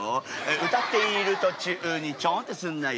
歌っている途中にちょんってすんなよ